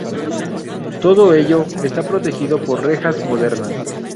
Todo ello está protegido por rejas modernas.